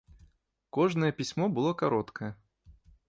Кожнае пісьмо было кароткае.